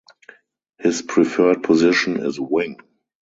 His preferred position is wing.